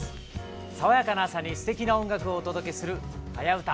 爽やかな朝にすてきな音楽をお届けする「はやウタ」。